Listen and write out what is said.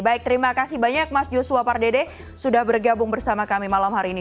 baik terima kasih banyak mas joshua pardede sudah bergabung bersama kami malam hari ini